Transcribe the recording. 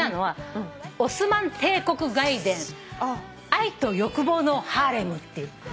『オスマン帝国外伝愛と欲望のハレム』っていう。